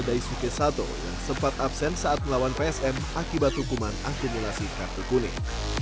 daisuke sato yang sempat absen saat melawan psm akibat hukuman akumulasi kartu kuning